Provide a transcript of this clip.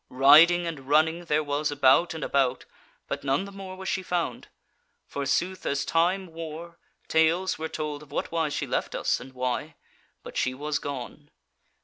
Riding and running there was about and about, but none the more was she found. Forsooth as time wore, tales were told of what wise she left us, and why: but she was gone.